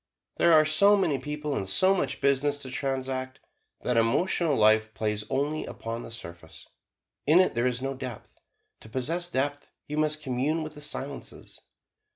There are so many people, and so much business to transact, that emotional life plays only upon the surface in it there is no depth. To possess depth you must commune with the Silences.